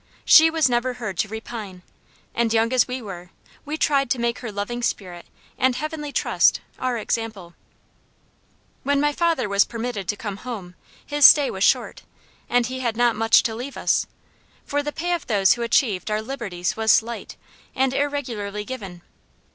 She was never heard to repine; and young as we were, we tried to make her loving spirit and heavenly trust, our example. "When my father was permitted to come home, his stay was short, and he had not much to leave us, for the pay of those who achieved our liberties was slight, and irregularly given.